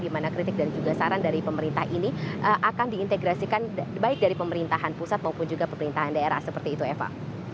di mana kritik dan juga saran dari pemerintah ini akan diintegrasikan baik dari pemerintahan pusat maupun juga pemerintahan daerah seperti itu eva